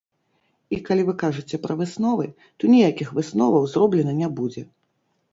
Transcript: І калі вы кажаце пра высновы, то ніякіх высноваў зроблена не будзе.